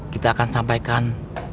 kita akan sampaikan